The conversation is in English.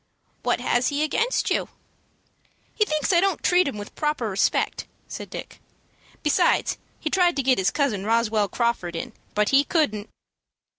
"What has he against you?" "He thinks I don't treat him with proper respect," said Dick. "Besides he tried to get his cousin Roswell Crawford in, but he couldn't."